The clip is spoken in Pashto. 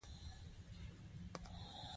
احمد له پوليسو څخه توره تېښته ده.